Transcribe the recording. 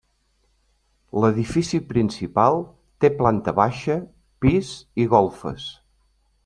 L'edifici principal té planta baixa, pis i golfes.